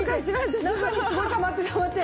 中にすごいたまってたまって。